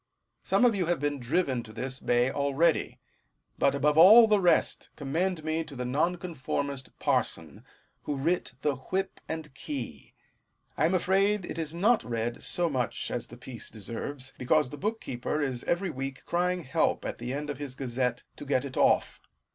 Some of you have been driven to this bay already ; but, above all the rest, commend me to the nonconformist parson, who writ the " Whip and Key." I am afraid it is not read so much as the piece deserves, because the bookseller is every week crying help at the end of his Gazette, to get it off.